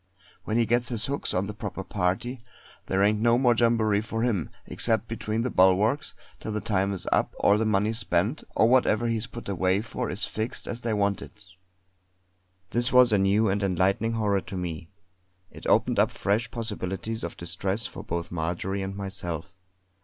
When he gets his hooks on the proper party, there ain't no more jamboree for him, except between the bulwarks, till the time is up, or the money spent, or whatever he is put away for is fixed as they want it." This was a new and enlightening horror to me. It opened up fresh possibilities of distress for both Marjory and myself.